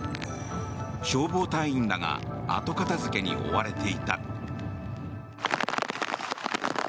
消防隊員らが後片付けに追われていた。